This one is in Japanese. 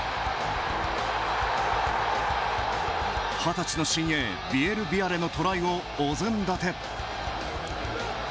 二十歳の新鋭ビエルビアレのトライをお膳立て。